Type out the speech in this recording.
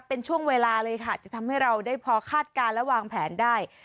เป็นช่วงเวลาเลยค่ะจะทำให้เราได้พอคาดการณ์และวางแผนได้